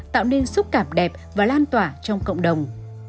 tạo nên xúc cảm đẹp và lan tỏa trong cộng đồng